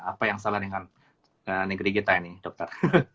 apa yang salah dengan negeri kita ini dokter